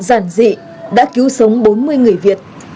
giản dị đã cứu sống bốn mươi người việt